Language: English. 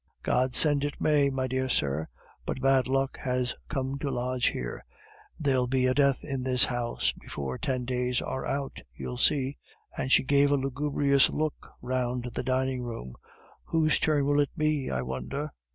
"God send it may, my dear sir! but bad luck has come to lodge here. There'll be a death in the house before ten days are out, you'll see," and she gave a lugubrious look round the dining room. "Whose turn will it be, I wonder?"